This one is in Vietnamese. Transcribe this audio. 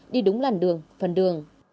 đi đúng làn đường phần đường